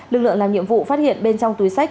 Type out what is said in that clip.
lực lượng làm nhiệm vụ phát hiện bên trong túi sách